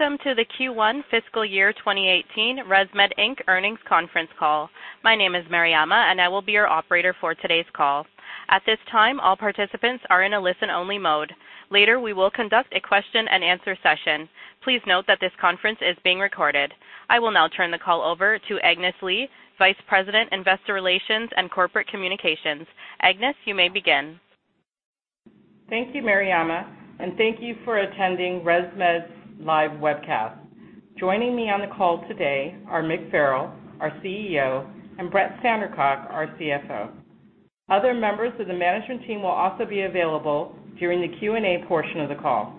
Welcome to the Q1 fiscal year 2018 ResMed Inc. earnings conference call. My name is Mariama and I will be your operator for today's call. At this time, all participants are in a listen-only mode. Later, we will conduct a question and answer session. Please note that this conference is being recorded. I will now turn the call over to Agnes Lee, Vice President, Investor Relations and Corporate Communications. Agnes, you may begin. Thank you, Mariama, and thank you for attending ResMed's live webcast. Joining me on the call today are Mick Farrell, our CEO, and Brett Sandercock, our CFO. Other members of the management team will also be available during the Q&A portion of the call.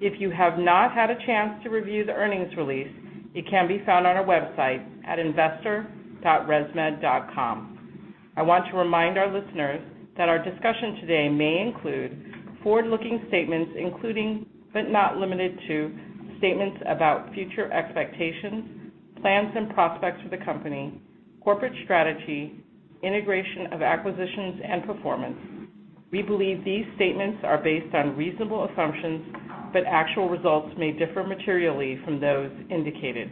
If you have not had a chance to review the earnings release, it can be found on our website at investor.resmed.com. I want to remind our listeners that our discussion today may include forward-looking statements including, but not limited to, statements about future expectations, plans and prospects for the company, corporate strategy, integration of acquisitions, and performance. We believe these statements are based on reasonable assumptions, but actual results may differ materially from those indicated.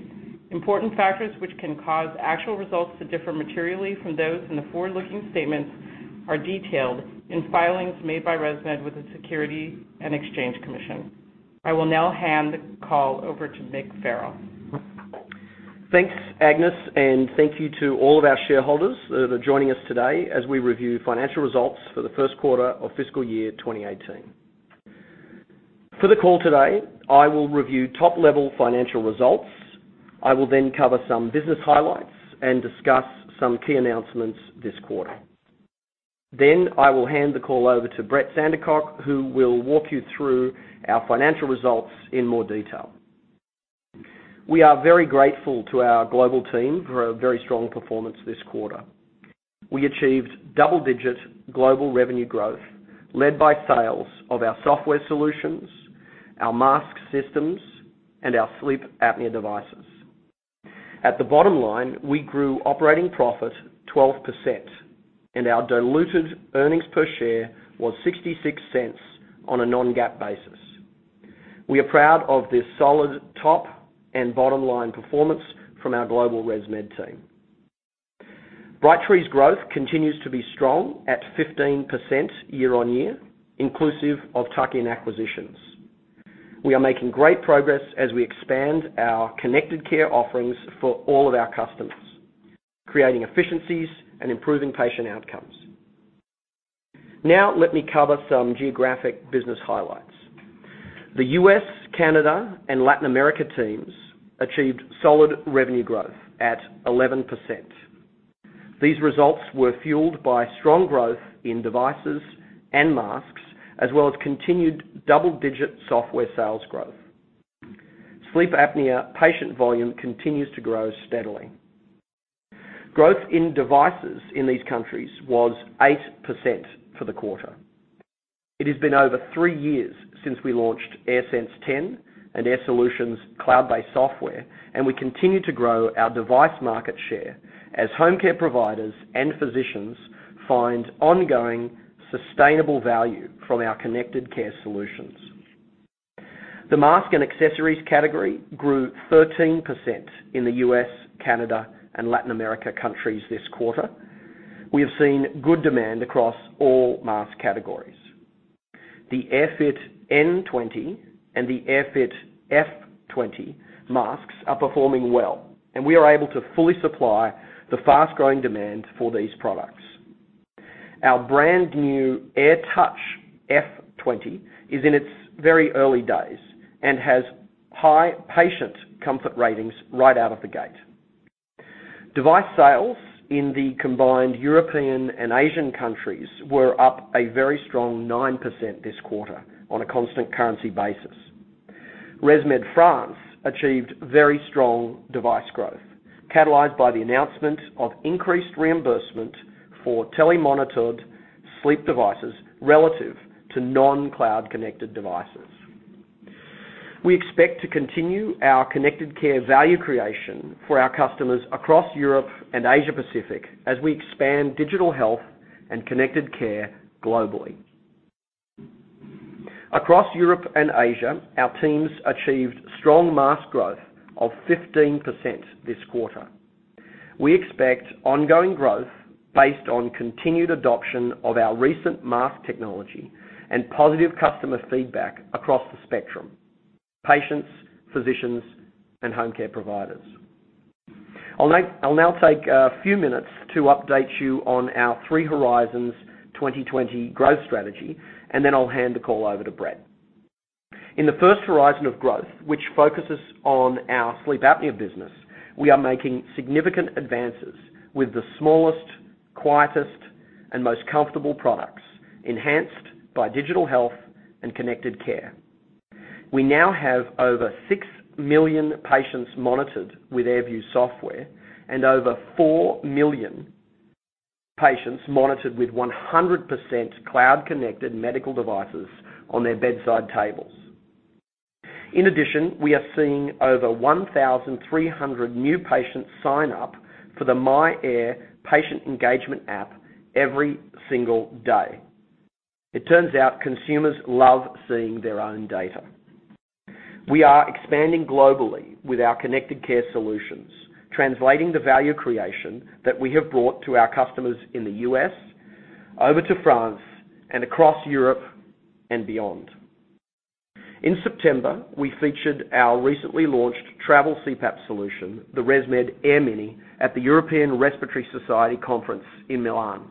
Important factors which can cause actual results to differ materially from those in the forward-looking statements are detailed in filings made by ResMed with the Securities and Exchange Commission. I will now hand the call over to Mick Farrell. Thanks, Agnes, and thank you to all of our shareholders that are joining us today as we review financial results for the first quarter of fiscal year 2018. For the call today, I will review top-level financial results. I will then cover some business highlights and discuss some key announcements this quarter. I will hand the call over to Brett Sandercock, who will walk you through our financial results in more detail. We are very grateful to our global team for a very strong performance this quarter. We achieved double-digit global revenue growth led by sales of our software solutions, our mask systems, and our sleep apnea devices. At the bottom line, we grew operating profit 12% and our diluted earnings per share was $0.66 on a non-GAAP basis. We are proud of this solid top and bottom-line performance from our global ResMed team. Brightree's growth continues to be strong at 15% year-over-year, inclusive of tuck-in acquisitions. We are making great progress as we expand our connected care offerings for all of our customers, creating efficiencies and improving patient outcomes. Now, let me cover some geographic business highlights. The U.S., Canada, and Latin America teams achieved solid revenue growth at 11%. These results were fueled by strong growth in devices and masks, as well as continued double-digit software sales growth. Sleep apnea patient volume continues to grow steadily. Growth in devices in these countries was 8% for the quarter. It has been over three years since we launched AirSense 10 and Air Solutions cloud-based software. We continue to grow our device market share as home care providers and physicians find ongoing sustainable value from our connected care solutions. The mask and accessories category grew 13% in the U.S., Canada, and Latin America countries this quarter. We have seen good demand across all mask categories. The AirFit N20 and the AirFit F20 masks are performing well. We are able to fully supply the fast-growing demand for these products. Our brand new AirTouch F20 is in its very early days and has high patient comfort ratings right out of the gate. Device sales in the combined European and Asian countries were up a very strong 9% this quarter on a constant currency basis. ResMed France achieved very strong device growth, catalyzed by the announcement of increased reimbursement for telemonitored sleep devices relative to non-cloud-connected devices. We expect to continue our connected care value creation for our customers across Europe and Asia Pacific as we expand digital health and connected care globally. Across Europe and Asia, our teams achieved strong mask growth of 15% this quarter. We expect ongoing growth based on continued adoption of our recent mask technology and positive customer feedback across the spectrum: patients, physicians, and home care providers. I'll now take a few minutes to update you on our Three Horizons 2020 growth strategy. Then I'll hand the call over to Brett. In the first horizon of growth, which focuses on our sleep apnea business, we are making significant advances with the smallest, quietest, and most comfortable products, enhanced by digital health and connected care. We now have over $6 million patients monitored with AirView software and over $4 million patients monitored with 100% cloud-connected medical devices on their bedside tables. In addition, we are seeing over 1,300 new patients sign up for the myAir Patient Engagement app every single day. It turns out consumers love seeing their own data. We are expanding globally with our connected care solutions, translating the value creation that we have brought to our customers in the U.S. over to France and across Europe and beyond. In September, we featured our recently launched travel CPAP solution, the ResMed AirMini, at the European Respiratory Society conference in Milan.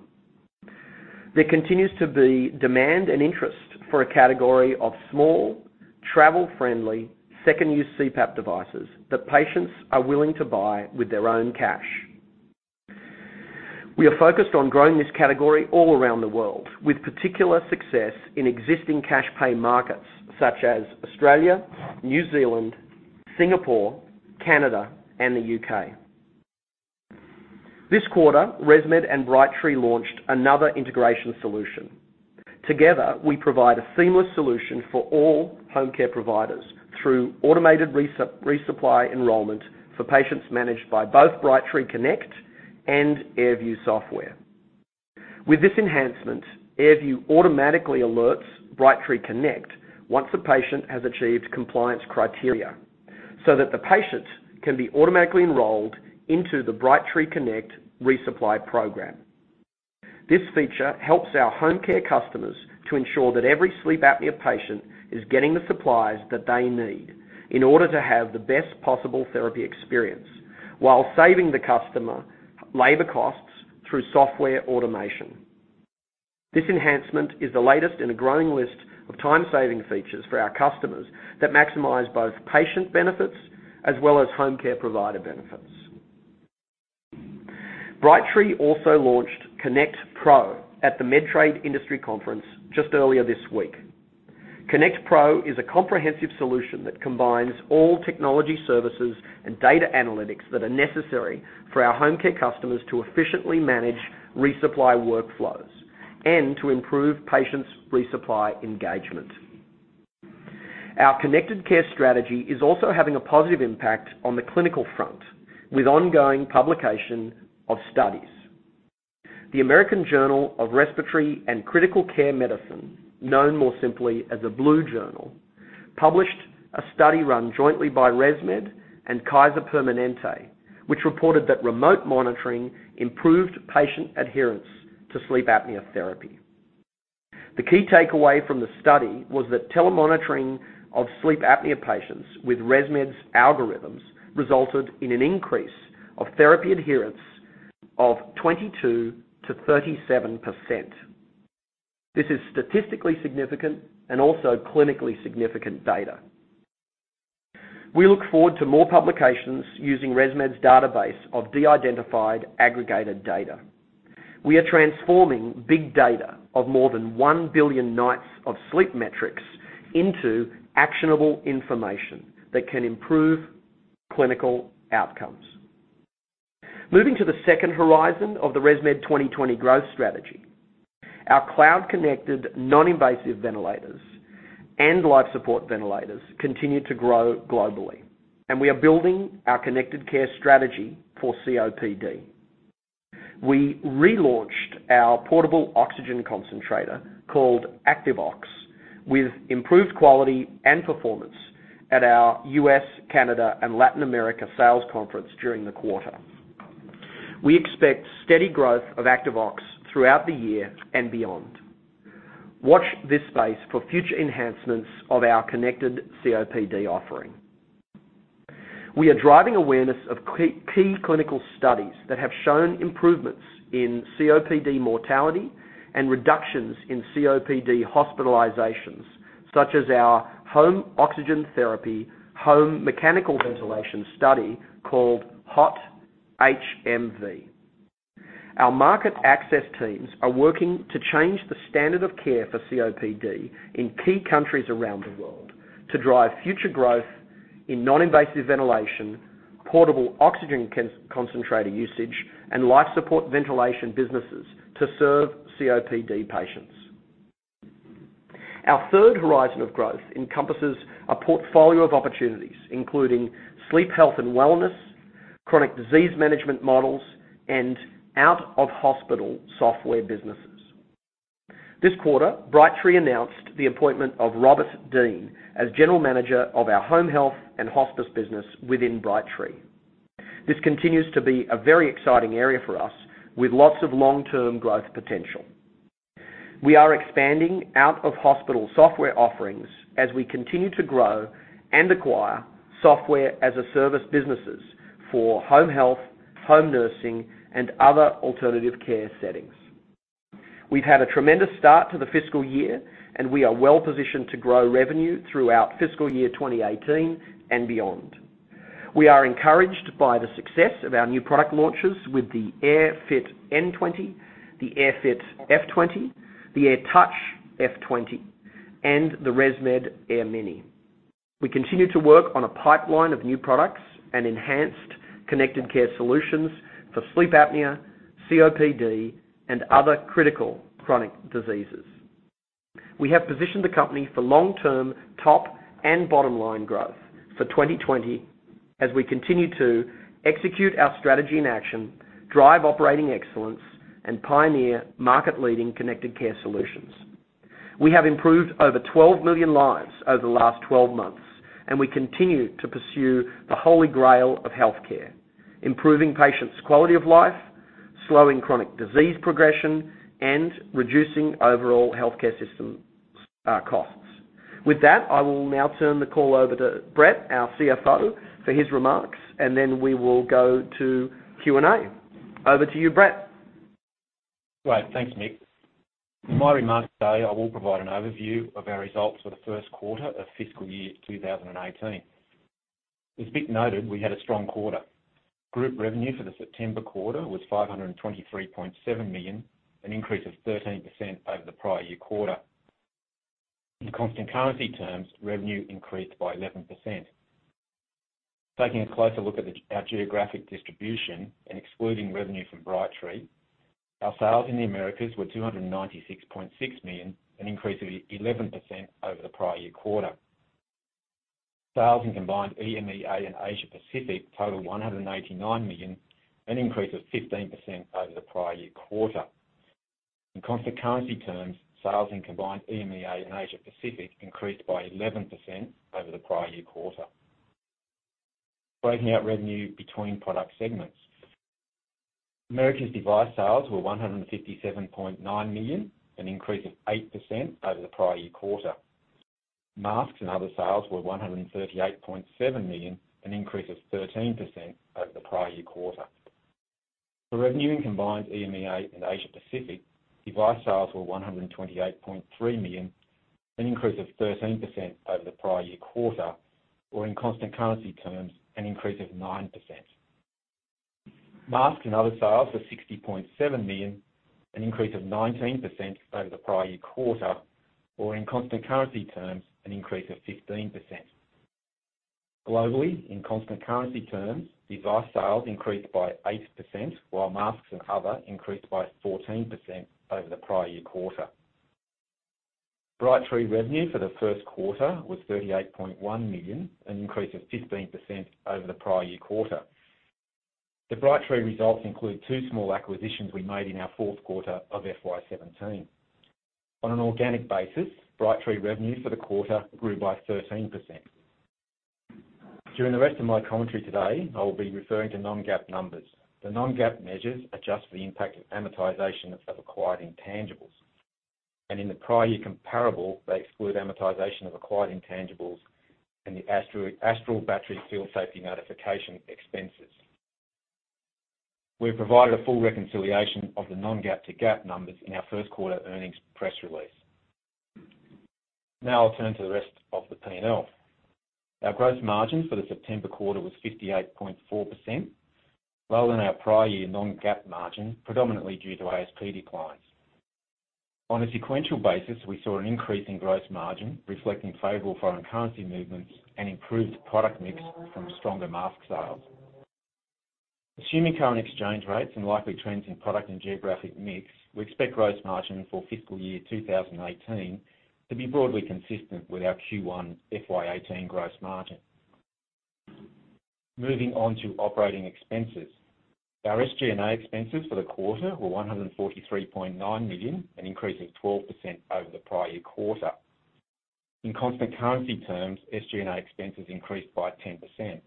There continues to be demand and interest for a category of small, travel-friendly, second-use CPAP devices that patients are willing to buy with their own cash. We are focused on growing this category all around the world, with particular success in existing cash pay markets such as Australia, New Zealand, Singapore, Canada, and the U.K. This quarter, ResMed and Brightree launched another integration solution. Together, we provide a seamless solution for all home care providers through automated resupply enrollment for patients managed by both Brightree Connect and AirView software. With this enhancement, AirView automatically alerts Brightree Connect once a patient has achieved compliance criteria so that the patient can be automatically enrolled into the Brightree Connect resupply program. This feature helps our home care customers to ensure that every sleep apnea patient is getting the supplies that they need in order to have the best possible therapy experience while saving the customer labor costs through software automation. This enhancement is the latest in a growing list of time-saving features for our customers that maximize both patient benefits as well as home care provider benefits. Brightree also launched Connect Pro at the Medtrade industry conference just earlier this week. Connect Pro is a comprehensive solution that combines all technology services and data analytics that are necessary for our home care customers to efficiently manage resupply workflows and to improve patients' resupply engagement. Our connected care strategy is also having a positive impact on the clinical front, with ongoing publication of studies. The American Journal of Respiratory and Critical Care Medicine, known more simply as a Blue Journal, published a study run jointly by ResMed and Kaiser Permanente, which reported that remote monitoring improved patient adherence to sleep apnea therapy. The key takeaway from the study was that telemonitoring of sleep apnea patients with ResMed's algorithms resulted in an increase of therapy adherence of 22%-37%. This is statistically significant and also clinically significant data. We look forward to more publications using ResMed's database of de-identified, aggregated data. We are transforming big data of more than 1 billion nights of sleep metrics into actionable information that can improve clinical outcomes. Moving to the second horizon of the ResMed 2020 growth strategy. Our cloud-connected, non-invasive ventilators and life support ventilators continue to grow globally. We are building our connected care strategy for COPD. We relaunched our portable oxygen concentrator, called Activox, with improved quality and performance at our U.S., Canada, and Latin America sales conference during the quarter. We expect steady growth of Activox throughout the year and beyond. Watch this space for future enhancements of our connected COPD offering. We are driving awareness of key clinical studies that have shown improvements in COPD mortality and reductions in COPD hospitalizations, such as our home oxygen therapy, home mechanical ventilation study called HOT-HMV. Our market access teams are working to change the standard of care for COPD in key countries around the world to drive future growth in non-invasive ventilation, portable oxygen concentrator usage, and life support ventilation businesses to serve COPD patients. Our third horizon of growth encompasses a portfolio of opportunities, including sleep health and wellness, chronic disease management models, and out-of-hospital software businesses. This quarter, Brightree announced the appointment of Robert Dean as General Manager of our home health and hospice business within Brightree. This continues to be a very exciting area for us with lots of long-term growth potential. We are expanding out-of-hospital software offerings as we continue to grow and acquire software-as-a-service businesses for home health, home nursing, and other alternative care settings. We've had a tremendous start to the fiscal year. We are well positioned to grow revenue throughout fiscal year 2018 and beyond. We are encouraged by the success of our new product launches with the AirFit N20, the AirFit F20, the AirTouch F20, and the ResMed AirMini. We continue to work on a pipeline of new products and enhanced connected care solutions for sleep apnea, COPD, and other critical chronic diseases. We have positioned the company for long-term top and bottom-line growth for 2020 and beyond, as we continue to execute our strategy in action, drive operating excellence, and pioneer market-leading connected care solutions. We have improved over 12 million lives over the last 12 months, and we continue to pursue the holy grail of healthcare, improving patients' quality of life, slowing chronic disease progression, and reducing overall healthcare system costs. With that, I will now turn the call over to Brett, our CFO, for his remarks, and then we will go to Q&A. Over to you, Brett. Great. Thanks, Mick. In my remarks today, I will provide an overview of our results for the first quarter of fiscal year 2018. As Mick noted, we had a strong quarter. Group revenue for the September quarter was $523.7 million, an increase of 13% over the prior year quarter. In constant currency terms, revenue increased by 11%. Taking a closer look at our geographic distribution and excluding revenue from Brightree, our sales in the Americas were $296.6 million, an increase of 11% over the prior year quarter. Sales in combined EMEA and Asia Pacific totaled $189 million, an increase of 15% over the prior year quarter. In constant currency terms, sales in combined EMEA and Asia Pacific increased by 11% over the prior year quarter. Breaking out revenue between product segments. Americas device sales were $157.9 million, an increase of 8% over the prior year quarter. Masks and other sales were $138.7 million, an increase of 13% over the prior year quarter. For revenue in combined EMEA and Asia Pacific, device sales were $128.3 million, an increase of 13% over the prior year quarter, or in constant currency terms, an increase of 9%. Masks and other sales were $60.7 million, an increase of 19% over the prior year quarter, or in constant currency terms, an increase of 15%. Globally, in constant currency terms, device sales increased by 8%, while masks and other increased by 14% over the prior year quarter. Brightree revenue for the first quarter was $38.1 million, an increase of 15% over the prior year quarter. The Brightree results include two small acquisitions we made in our fourth quarter of FY 2017. On an organic basis, Brightree revenue for the quarter grew by 13%. During the rest of my commentary today, I will be referring to non-GAAP numbers. The non-GAAP measures adjust for the impact of amortization of acquired intangibles. In the prior year comparable, they exclude amortization of acquired intangibles and the Astral battery field safety notification expenses. We've provided a full reconciliation of the non-GAAP to GAAP numbers in our first quarter earnings press release. Now I'll turn to the rest of the P&L. Our gross margin for the September quarter was 58.4%, lower than our prior year non-GAAP margin, predominantly due to ASP declines. On a sequential basis, we saw an increase in gross margin, reflecting favorable foreign currency movements and improved product mix from stronger mask sales. Assuming current exchange rates and likely trends in product and geographic mix, we expect gross margin for fiscal year 2018 to be broadly consistent with our Q1 FY 2018 gross margin. Moving on to operating expenses. Our SG&A expenses for the quarter were $143.9 million, an increase of 12% over the prior year quarter. In constant currency terms, SG&A expenses increased by 10%.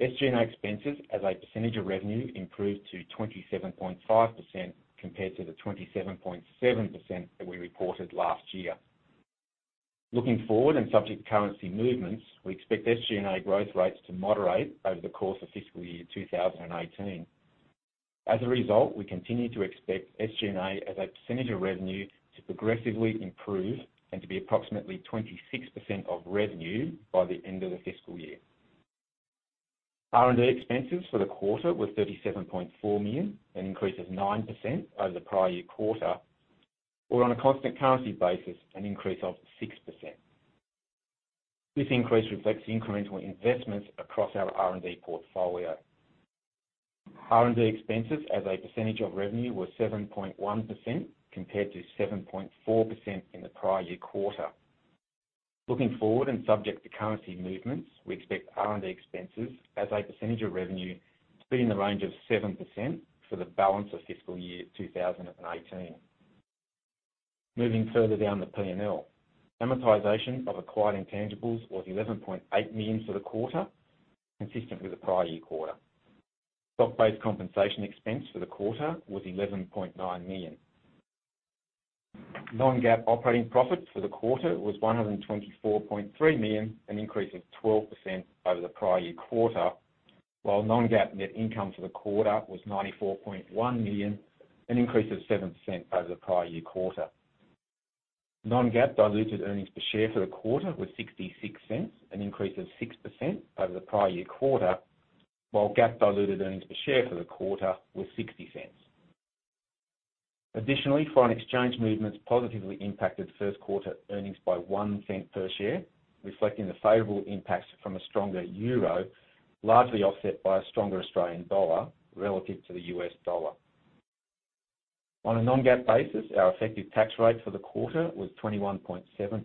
SG&A expenses as a percentage of revenue improved to 27.5% compared to the 27.7% that we reported last year. Looking forward and subject to currency movements, we expect SG&A growth rates to moderate over the course of fiscal year 2018. As a result, we continue to expect SG&A as a percentage of revenue to progressively improve and to be approximately 26% of revenue by the end of the fiscal year. R&D expenses for the quarter were $37.4 million, an increase of 9% over the prior year quarter, or on a constant currency basis, an increase of 6%. This increase reflects incremental investments across our R&D portfolio. R&D expenses as a percentage of revenue were 7.1% compared to 7.4% in the prior year quarter. Looking forward and subject to currency movements, we expect R&D expenses as a percentage of revenue to be in the range of 7% for the balance of fiscal year 2018. Moving further down the P&L. Amortization of acquired intangibles was $11.8 million for the quarter, consistent with the prior year quarter. Stock-based compensation expense for the quarter was $11.9 million. Non-GAAP operating profit for the quarter was $124.3 million, an increase of 12% over the prior year quarter, while non-GAAP net income for the quarter was $94.1 million, an increase of 7% over the prior year quarter. Non-GAAP diluted earnings per share for the quarter were $0.66, an increase of 6% over the prior year quarter, while GAAP diluted earnings per share for the quarter were $0.60. Additionally, foreign exchange movements positively impacted first quarter earnings by $0.01 per share, reflecting the favorable impacts from a stronger EUR, largely offset by a stronger AUD relative to the USD. On a non-GAAP basis, our effective tax rate for the quarter was 21.7%.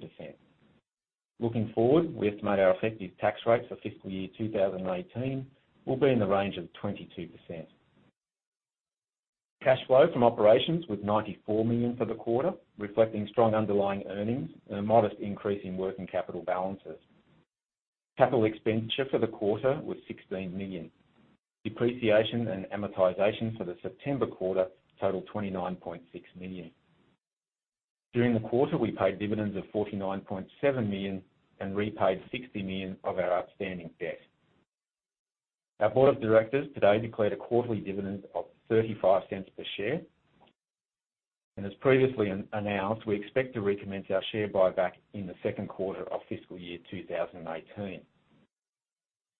Looking forward, we estimate our effective tax rate for fiscal year 2018 will be in the range of 22%. Cash flow from operations was $94 million for the quarter, reflecting strong underlying earnings and a modest increase in working capital balances. Capital expenditure for the quarter was $16 million. Depreciation and amortization for the September quarter totaled $29.6 million. During the quarter, we paid dividends of $49.7 million and repaid $60 million of our outstanding debt. Our board of directors today declared a quarterly dividend of $0.35 per share. As previously announced, we expect to recommence our share buyback in the second quarter of fiscal year 2018.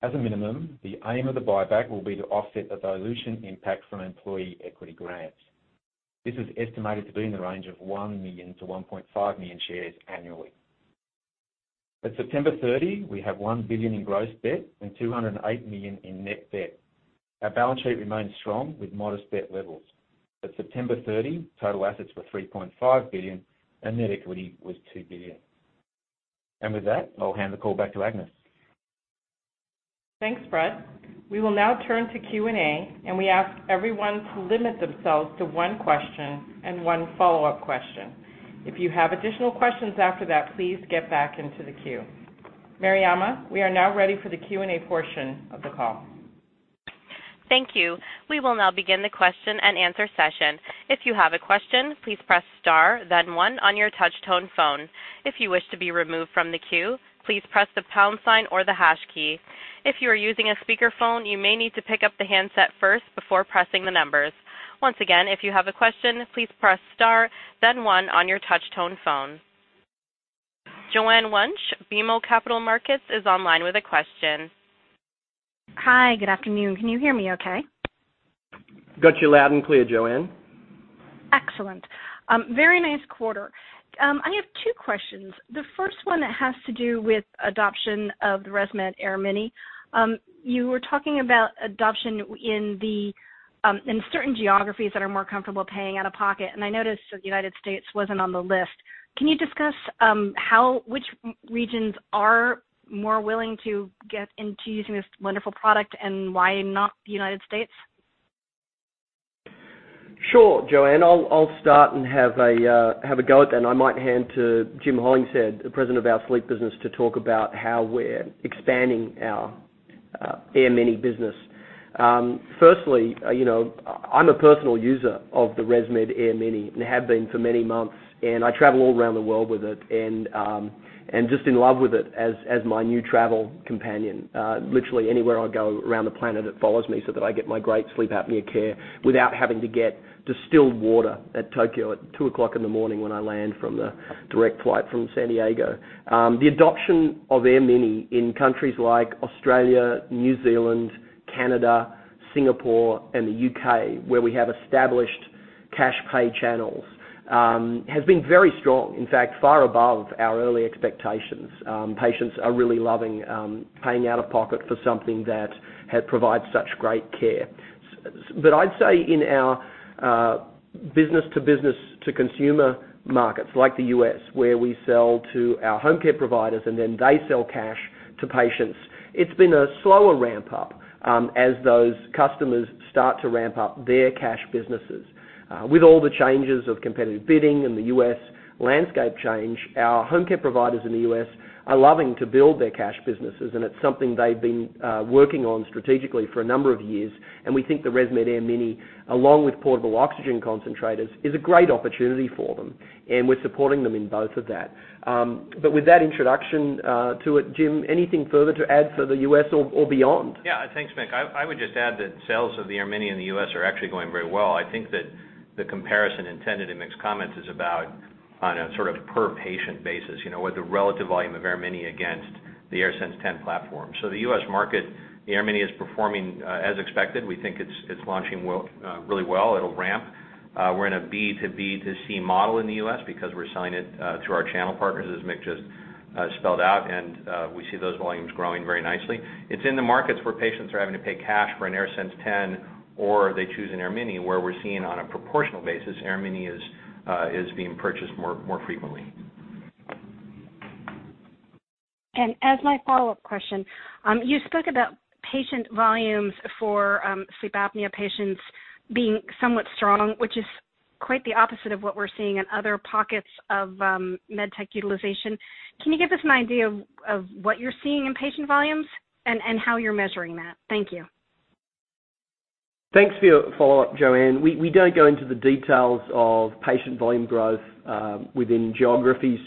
As a minimum, the aim of the buyback will be to offset the dilution impact from employee equity grants. This is estimated to be in the range of 1 million to 1.5 million shares annually. At September 30, we have $1 billion in gross debt and $208 million in net debt. Our balance sheet remains strong with modest debt levels. At September 30, total assets were $3.5 billion, and net equity was $2 billion. With that, I'll hand the call back to Agnes. Thanks, Brett. We will now turn to Q&A. We ask everyone to limit themselves to one question and one follow-up question. If you have additional questions after that, please get back into the queue. Mariama, we are now ready for the Q&A portion of the call. Thank you. We will now begin the question and answer session. If you have a question, please press star then one on your touch tone phone. If you wish to be removed from the queue, please press the pound sign or the hash key. If you are using a speakerphone, you may need to pick up the handset first before pressing the numbers. Once again, if you have a question, please press star then one on your touch tone phone. Joanne Wuensch, BMO Capital Markets, is online with a question. Hi. Good afternoon. Can you hear me okay? Got you loud and clear, Joanne. Excellent. Very nice quarter. I have two questions. The first one has to do with adoption of the ResMed AirMini. You were talking about adoption in certain geographies that are more comfortable paying out of pocket, and I noticed that the U.S. wasn't on the list. Can you discuss which regions are more willing to get into using this wonderful product, and why not the U.S.? Sure, Joanne. I'll start and have a go at that, and I might hand to Jim Hollingshead, the President, Sleep Business, to talk about how we're expanding our AirMini business. Firstly, I'm a personal user of the ResMed AirMini and have been for many months, and I travel all around the world with it and just in love with it as my new travel companion. Literally anywhere I go around the planet, it follows me so that I get my great sleep apnea care without having to get distilled water at Tokyo at two o'clock in the morning when I land from the direct flight from San Diego. The adoption of AirMini in countries like Australia, New Zealand, Canada, Singapore, and the U.K., where we have established cash pay channels, has been very strong, in fact, far above our early expectations. Patients are really loving paying out of pocket for something that provides such great care. I'd say in our business to business to consumer markets like the U.S., where we sell to our home care providers and then they sell cash to patients, it's been a slower ramp-up as those customers start to ramp up their cash businesses. With all the changes of competitive bidding and the U.S. landscape change, our home care providers in the U.S. are loving to build their cash businesses, and it's something they've been working on strategically for a number of years, and we think the ResMed AirMini, along with portable oxygen concentrators, is a great opportunity for them, and we're supporting them in both of that. With that introduction to it, Jim, anything further to add for the U.S. or beyond? Yeah. Thanks, Mick. I would just add that sales of the AirMini in the U.S. are actually going very well. I think that the comparison intended in Mick's comment is about on a sort of per-patient basis, with the relative volume of AirMini against the AirSense 10 platform. The U.S. market, the AirMini is performing as expected. We think it's launching really well. It'll ramp. We're in a B to B to C model in the U.S. because we're selling it, through our channel partners, as Mick just spelled out, and we see those volumes growing very nicely. It's in the markets where patients are having to pay cash for an AirSense 10, or they choose an AirMini, where we're seeing on a proportional basis, AirMini is being purchased more frequently. As my follow-up question, you spoke about patient volumes for sleep apnea patients being somewhat strong, which is quite the opposite of what we're seeing in other pockets of med tech utilization. Can you give us an idea of what you're seeing in patient volumes and how you're measuring that? Thank you. Thanks for your follow-up, Joanne. We don't go into the details of patient volume growth within geographies.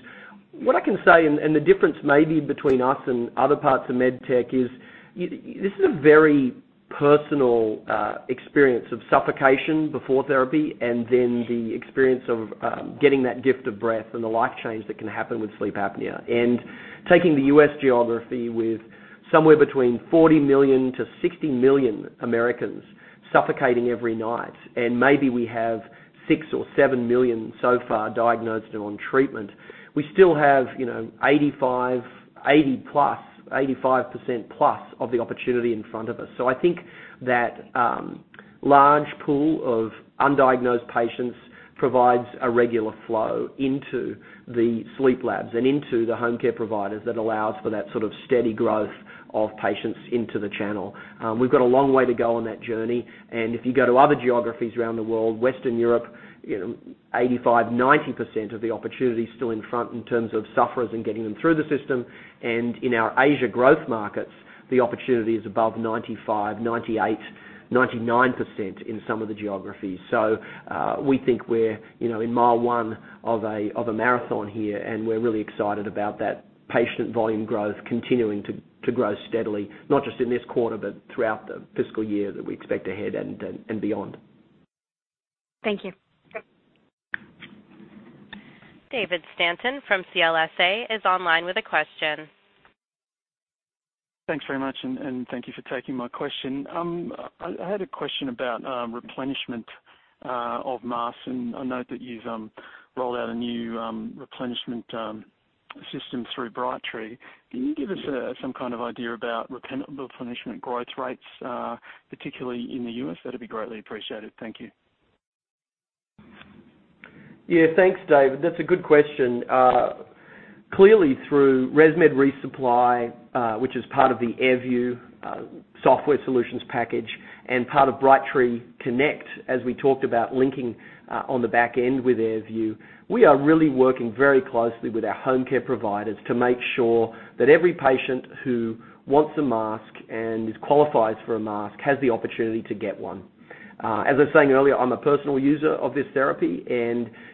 What I can say, the difference may be between us and other parts of med tech, is this is a very personal experience of suffocation before therapy and then the experience of getting that gift of breath and the life change that can happen with sleep apnea. Taking the U.S. geography with somewhere between 40 million to 60 million Americans suffocating every night, and maybe we have 6 or 7 million so far diagnosed and on treatment, we still have 85%+ of the opportunity in front of us. That large pool of undiagnosed patients provides a regular flow into the sleep labs and into the home care providers that allows for that sort of steady growth of patients into the channel. We've got a long way to go on that journey. If you go to other geographies around the world, Western Europe, 85%, 90% of the opportunity is still in front in terms of sufferers and getting them through the system. In our Asia growth markets, the opportunity is above 95%, 98%, 99% in some of the geographies. We think we're in mile one of a marathon here, and we're really excited about that patient volume growth continuing to grow steadily, not just in this quarter, but throughout the fiscal year that we expect ahead and beyond. Thank you. David Stanton from CLSA is online with a question. Thanks very much. Thank you for taking my question. I had a question about replenishment of masks. I note that you've rolled out a new replenishment system through Brightree. Can you give us some kind of idea about replenishment growth rates, particularly in the U.S.? That'd be greatly appreciated. Thank you. Yeah. Thanks, David. That's a good question. Clearly, through ResMed ReSupply, which is part of the AirView software solutions package and part of Brightree Connect, as we talked about linking on the back end with AirView, we are really working very closely with our home care providers to make sure that every patient who wants a mask and qualifies for a mask has the opportunity to get one. As I was saying earlier, I'm a personal user of this therapy.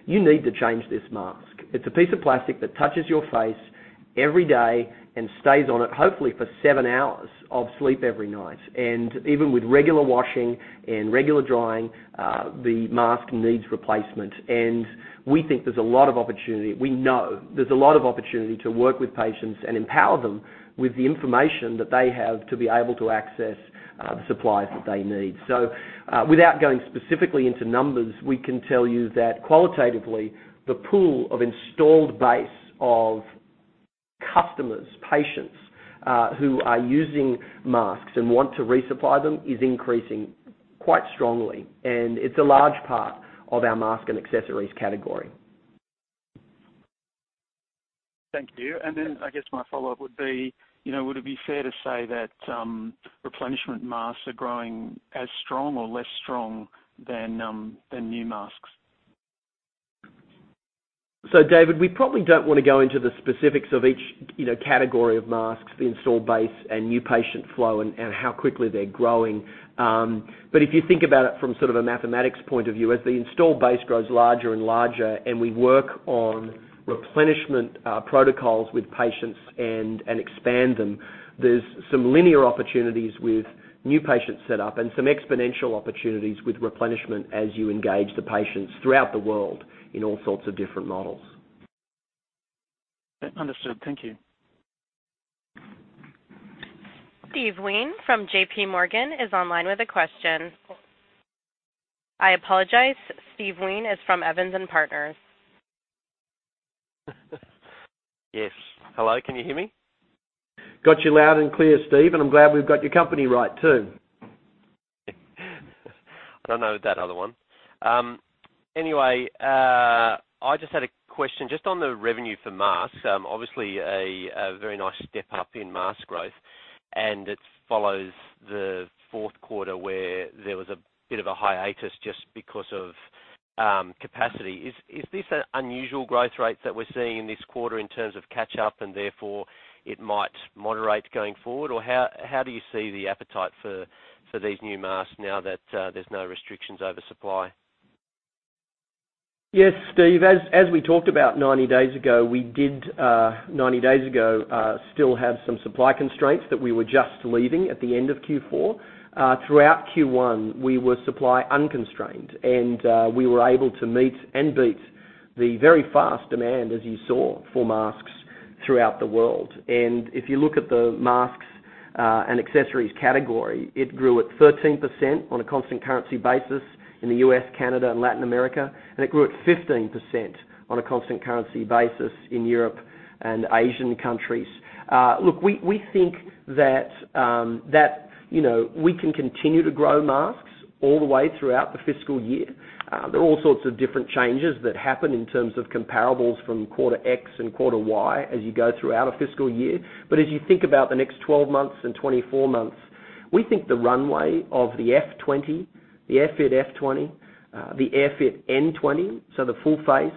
You need to change this mask. It's a piece of plastic that touches your face every day and stays on it, hopefully for seven hours of sleep every night. Even with regular washing and regular drying, the mask needs replacement. We think there's a lot of opportunity. We know there's a lot of opportunity to work with patients and empower them with the information that they have to be able to access the supplies that they need. Without going specifically into numbers, we can tell you that qualitatively, the pool of installed base of customers, patients, who are using masks and want to resupply them is increasing quite strongly. It's a large part of our mask and accessories category. Thank you. I guess my follow-up would be, would it be fair to say that replenishment masks are growing as strong or less strong than new masks? David, we probably don't want to go into the specifics of each category of masks, the install base, and new patient flow and how quickly they're growing. But if you think about it from sort of a mathematics point of view, as the install base grows larger and larger and we work on replenishment protocols with patients and expand them, there's some linear opportunities with new patient setup and some exponential opportunities with replenishment as you engage the patients throughout the world in all sorts of different models. Understood. Thank you. Steve Wheen from JPMorgan is online with a question. I apologize, Steve Wheen is from Evans & Partners. Yes. Hello? Can you hear me? Got you loud and clear, Steve. I'm glad we've got your company right too. I don't know that other one. Anyway, I just had a question just on the revenue for masks. Obviously, a very nice step-up in mask growth, it follows the fourth quarter where there was a bit of a hiatus just because of capacity. Is this an unusual growth rate that we're seeing in this quarter in terms of catch-up and therefore it might moderate going forward? Or how do you see the appetite for these new masks now that there's no restrictions over supply? Yes, Steve. As we talked about 90 days ago, we did 90 days ago still have some supply constraints that we were just leaving at the end of Q4. Throughout Q1, we were supply unconstrained, we were able to meet and beat the very fast demand, as you saw, for masks throughout the world. If you look at the masks and accessories category, it grew at 13% on a constant currency basis in the U.S., Canada, and Latin America. It grew at 15% on a constant currency basis in Europe and Asian countries. Look, we think that we can continue to grow masks all the way throughout the fiscal year. There are all sorts of different changes that happen in terms of comparables from quarter X and quarter Y as you go throughout a fiscal year. As you think about the next 12 months and 24 months, we think the runway of the AirFit F20, the AirFit F20, the AirFit N20, so the full face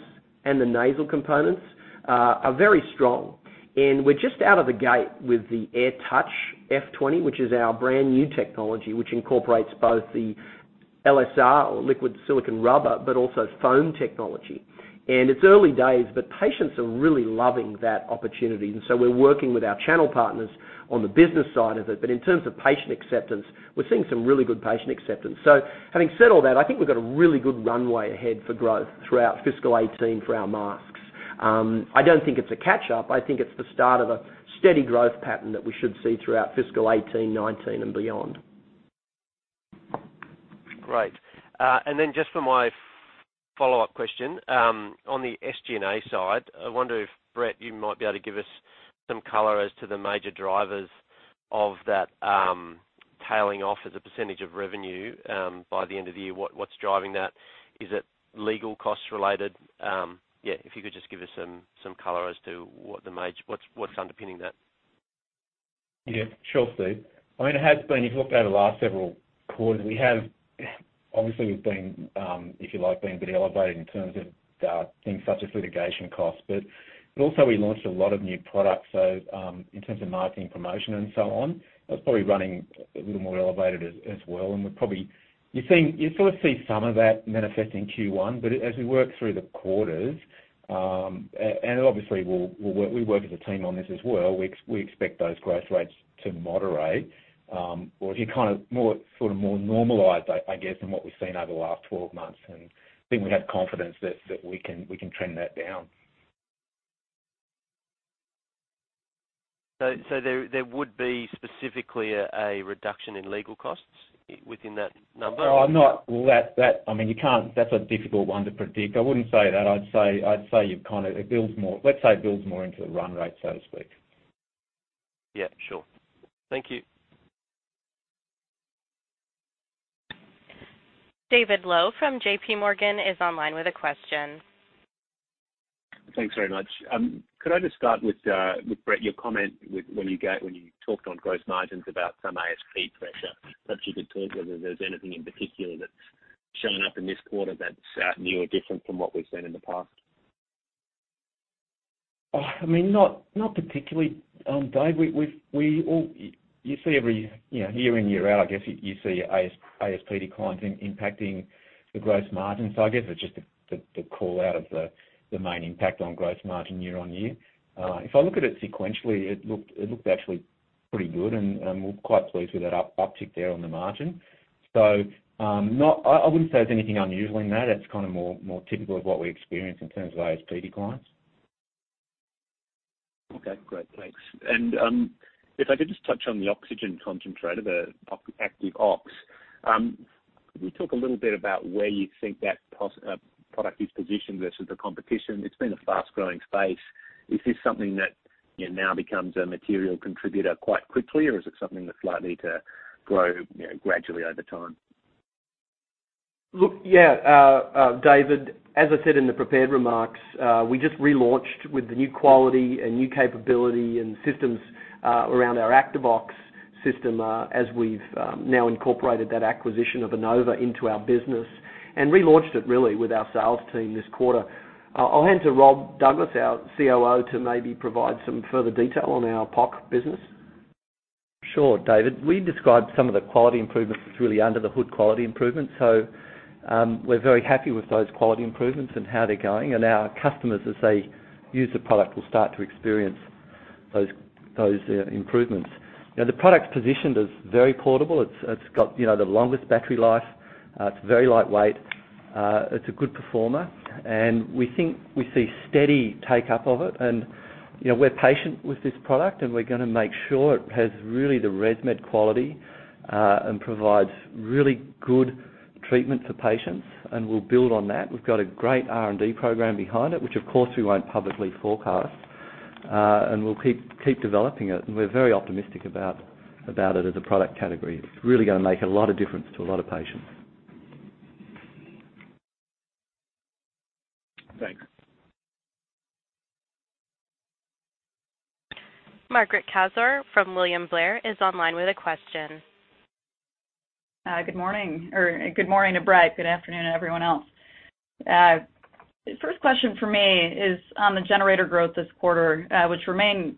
and the nasal components, are very strong. We're just out of the gate with the AirTouch F20, which is our brand-new technology, which incorporates both the LSR or liquid silicone rubber, but also foam technology. It's early days, but patients are really loving that opportunity. We're working with our channel partners on the business side of it. In terms of patient acceptance, we're seeing some really good patient acceptance. Having said all that, I think we've got a really good runway ahead for growth throughout fiscal 2018 for our masks. I don't think it's a catch-up. I think it's the start of a steady growth pattern that we should see throughout fiscal 2018, 2019, and beyond. Great. Just for my follow-up question, on the SG&A side, I wonder if, Brett, you might be able to give us some color as to the major drivers of that tailing off as a % of revenue by the end of the year. What's driving that? Is it legal cost related? If you could just give us some color as to what's underpinning that. Sure, Steve. It has been, if you look over the last several quarters, we have obviously been, if you like, being a bit elevated in terms of things such as litigation costs. Also we launched a lot of new products, so in terms of marketing promotion and so on, that's probably running a little more elevated as well. You sort of see some of that manifest in Q1. As we work through the quarters, and obviously we work as a team on this as well, we expect those growth rates to moderate. Or be sort of more normalized, I guess, than what we've seen over the last 12 months. I think we have confidence that we can trend that down. There would be specifically a reduction in legal costs within that number? No, that's a difficult one to predict. I wouldn't say that. I'd say it builds more. Let's say it builds more into the run rate, so to speak. Yeah, sure. Thank you. David Low from JPMorgan is online with a question. Thanks very much. Could I just start with, Brett, your comment when you talked on gross margins about some ASP pressure. Perhaps you could talk whether there's anything in particular that's shown up in this quarter that's new or different from what we've seen in the past? Not particularly, Dave. Year in, year out, I guess, you see ASP declines impacting the gross margin. I guess it's just the callout of the main impact on gross margin year-on-year. If I look at it sequentially, it looked actually pretty good, and we're quite pleased with that uptick there on the margin. So, I wouldn't say there's anything unusual in that. It's kind of more typical of what we experience in terms of ASP declines. Okay, great. Thanks. If I could just touch on the oxygen concentrator, the Activox. Can you talk a little bit about where you think that product is positioned versus the competition? It's been a fast-growing space. Is this something that now becomes a material contributor quite quickly, or is it something that's likely to grow gradually over time? Look, yeah, David Low, as I said in the prepared remarks, we just relaunched with the new quality and new capability and systems around our Activox system as we've now incorporated that acquisition of Inova into our business and relaunched it really with our sales team this quarter. I'll hand to Rob Douglas, our COO, to maybe provide some further detail on our POC business. Sure, David. We described some of the quality improvements as really under-the-hood quality improvements. We are very happy with those quality improvements and how they are going. Our customers, as they use the product, will start to experience those improvements. The product's positioned as very portable. It's got the longest battery life. It's very lightweight. It is a good performer, and we think we see steady take-up of it. We are patient with this product, and we are going to make sure it has really the ResMed quality, and provides really good treatment for patients, and we will build on that. We have got a great R&D program behind it, which of course, we won't publicly forecast. We will keep developing it. We are very optimistic about it as a product category. It is really going to make a lot of difference to a lot of patients. Thanks. Margaret Kaczor from William Blair is online with a question. Good morning. Good morning to Brett. Good afternoon, everyone else. First question from me is on the generator growth this quarter, which remained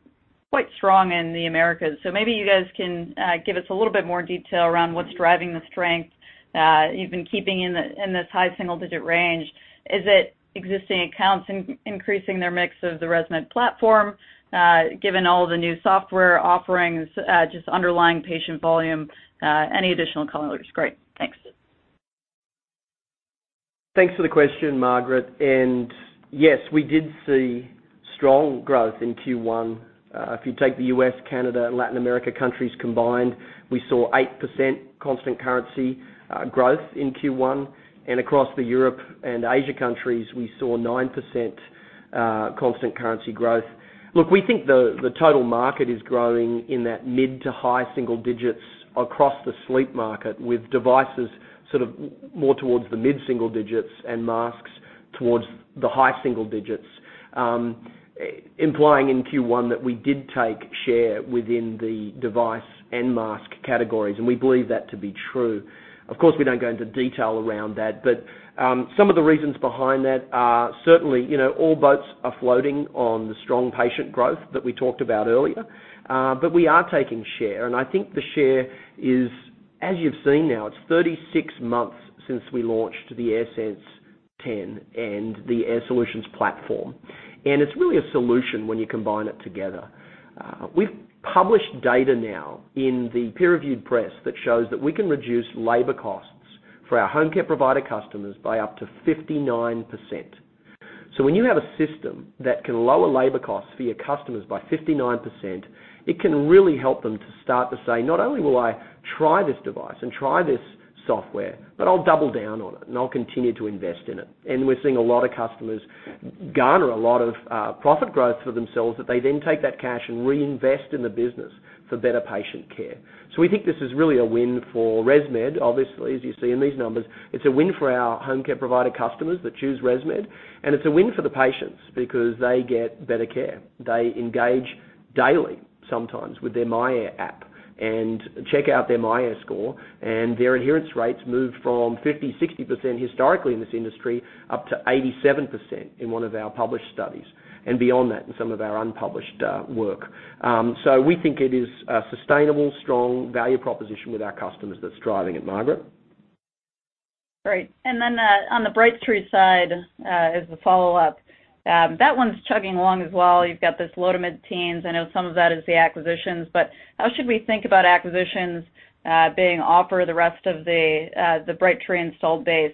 quite strong in the Americas. Maybe you guys can give us a little bit more detail around what's driving the strength you've been keeping in this high single-digit range. Is it existing accounts increasing their mix of the ResMed platform, given all the new software offerings, just underlying patient volume? Any additional color would be great. Thanks. Thanks for the question, Margaret. Yes, we did see strong growth in Q1. If you take the U.S., Canada, and Latin America countries combined, we saw 8% constant currency growth in Q1. Across the Europe and Asia countries, we saw 9% constant currency growth. Look, we think the total market is growing in that mid to high single digits across the sleep market, with devices sort of more towards the mid single digits and masks towards the high single digits, implying in Q1 that we did take share within the device and mask categories, and we believe that to be true. Of course, we don't go into detail around that. Some of the reasons behind that are certainly all boats are floating on the strong patient growth that we talked about earlier. We are taking share, and I think the share is, as you've seen now, it's 36 months since we launched the AirSense 10 and the Air Solutions platform. It's really a solution when you combine it together. We've published data now in the peer-reviewed press that shows that we can reduce labor costs for our home care provider customers by up to 59%. When you have a system that can lower labor costs for your customers by 59%, it can really help them to start to say, "Not only will I try this device and try this software, but I'll double down on it, and I'll continue to invest in it." We're seeing a lot of customers garner a lot of profit growth for themselves, that they then take that cash and reinvest in the business for better patient care. We think this is really a win for ResMed. Obviously, as you see in these numbers, it's a win for our home care provider customers that choose ResMed, and it's a win for the patients because they get better care. They engage daily, sometimes, with their myAir app and check out their myAir score. Their adherence rates move from 50%, 60% historically in this industry, up to 87% in one of our published studies and beyond that in some of our unpublished work. We think it is a sustainable, strong value proposition with our customers that's driving it, Margaret. Great. Then on the Brightree side, as a follow-up, that one's chugging along as well. You've got this low-to-mid teens. I know some of that is the acquisitions, how should we think about acquisitions being offer the rest of the Brightree installed base?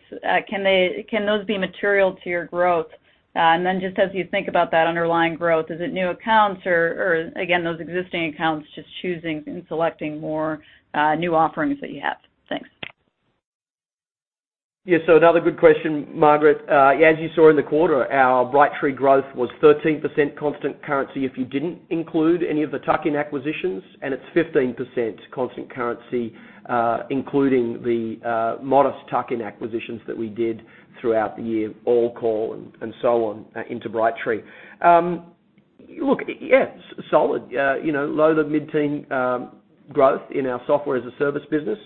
Can those be material to your growth? Then just as you think about that underlying growth, is it new accounts or, again, those existing accounts just choosing and selecting more new offerings that you have? Thanks. Another good question, Margaret. As you saw in the quarter, our Brightree growth was 13% constant currency if you didn't include any of the tuck-in acquisitions, and it's 15% constant currency, including the modest tuck-in acquisitions that we did throughout the year, AllCall and so on into Brightree. Look, yeah, solid. Low-to-mid-teen growth in our software-as-a-service business.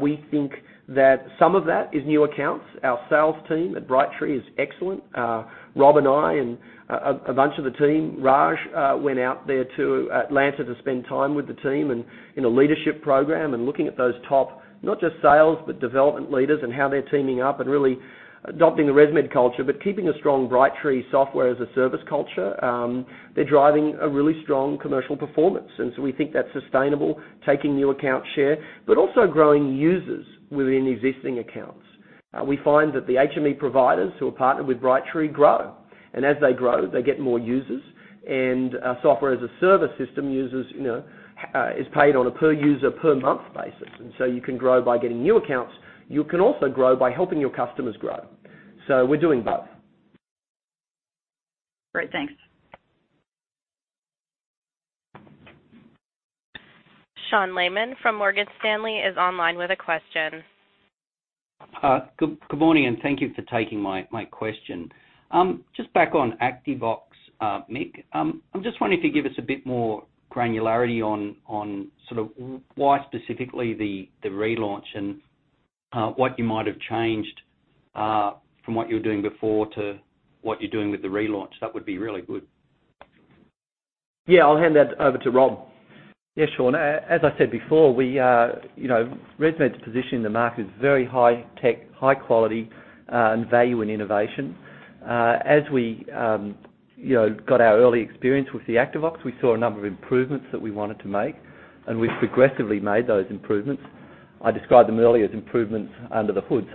We think that some of that is new accounts. Our sales team at Brightree is excellent. Rob and I and a bunch of the team, Raj, went out there to Atlanta to spend time with the team and in a leadership program and looking at those top, not just sales, but development leaders and how they're teaming up and really adopting the ResMed culture, but keeping a strong Brightree software-as-a-service culture. They're driving a really strong commercial performance. We think that's sustainable, taking new account share, but also growing users within existing accounts. We find that the HME providers who are partnered with Brightree grow, and as they grow, they get more users. Our software-as-a-service system is paid on a per-user, per-month basis. You can grow by getting new accounts. You can also grow by helping your customers grow. We're doing both. Great. Thanks. Sean Laaman from Morgan Stanley is online with a question. Good morning, thank you for taking my question. Just back on Activox, Mick. I'm just wondering if you give us a bit more granularity on why specifically the relaunch and what you might have changed from what you were doing before to what you're doing with the relaunch. That would be really good. Yeah, I'll hand that over to Rob. Yeah, Sean. As I said before, ResMed's position in the market is very high tech, high quality, value in innovation. As we got our early experience with the Activox, we saw a number of improvements that we wanted to make, and we've progressively made those improvements. I described them earlier as improvements under the hood.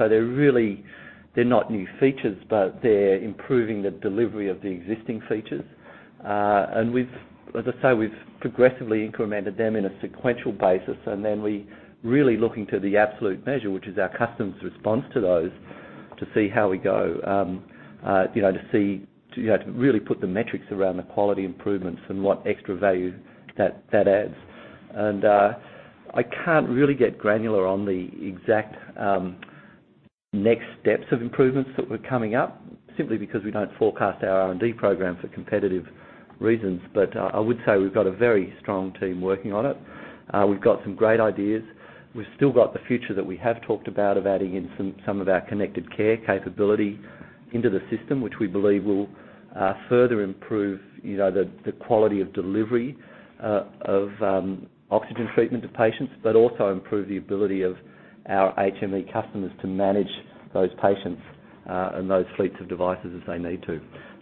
They're not new features, but they're improving the delivery of the existing features. As I say, we've progressively incremented them in a sequential basis, and then we're really looking to the absolute measure, which is our customers' response to those, to see how we go, to really put the metrics around the quality improvements and what extra value that adds. I can't really get granular on the exact next steps of improvements that were coming up, simply because we don't forecast our R&D program for competitive reasons. I would say we've got a very strong team working on it. We've got some great ideas. We've still got the future that we have talked about of adding in some of our connected care capability into the system, which we believe will further improve the quality of delivery of oxygen treatment to patients, but also improve the ability of our HME customers to manage those patients and those fleets of devices as they need to.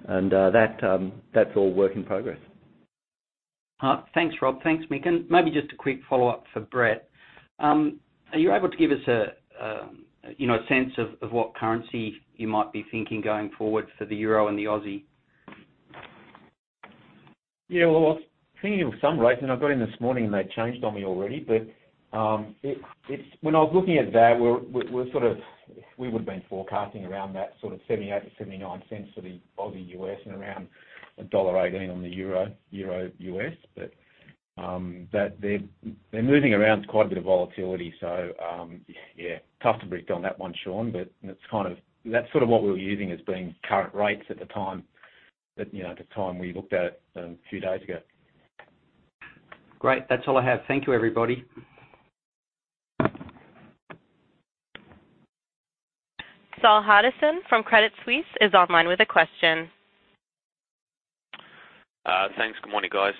That's all work in progress. Thanks, Rob. Thanks, Mick. Maybe just a quick follow-up for Brett. Are you able to give us a sense of what currency you might be thinking going forward for the euro and the Aussie? I was thinking of some rates, and I got in this morning, and they changed on me already. When I was looking at that, we would've been forecasting around that sort of $0.78-$0.79 for the Aussie/US and around $1.18 on the euro/US. They're moving around. There's quite a bit of volatility. Tough to predict on that one, Sean, but that's sort of what we were using as being current rates at the time we looked at it a few days ago. Great. That's all I have. Thank you, everybody. Saul Hadassin from Credit Suisse is online with a question. Thanks. Good morning, guys.